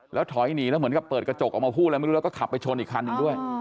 แล้วถอยหนีแล้วเหมือนกับเปิดกระจกออกมาพูดอะไรไม่รู้แล้วก็ขับไปชนอีกคันหนึ่งด้วย